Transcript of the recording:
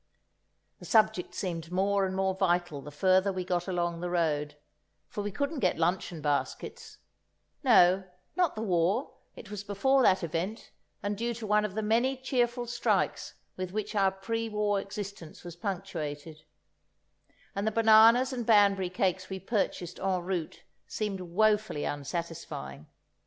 The subject seemed more and more vital the further we got along the road, for we couldn't get luncheon baskets (no, not the War; it was before that event, and due to one of the many cheerful strikes with which our pre war existence was punctuated), and the bananas and Banbury cakes we purchased en route seemed woefully unsatisfying.